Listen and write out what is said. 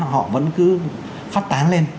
họ vẫn cứ phát tán lên